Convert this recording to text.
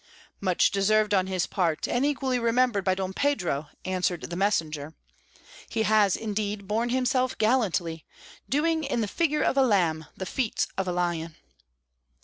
"Much deserved on his part and equally remembered by Don Pedro," answered the messenger. "He has indeed borne himself gallantly, doing in the figure of a lamb the feats of a lion."